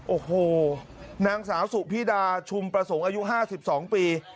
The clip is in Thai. โอ้โหนางสาวสุพิดาชุมประสงค์อายุ๕๒ปี